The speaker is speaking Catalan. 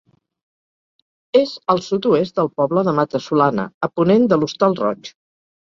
És al sud-oest del poble de Mata-solana, a ponent de l'Hostal Roig.